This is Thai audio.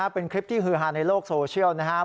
เป็นคลิปที่ฮือฮาในโลกโซเชียลนะครับ